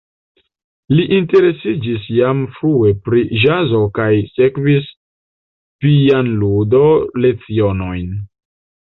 Li interesiĝis jam frue pri ĵazo kaj sekvis pianludo-lecionojn.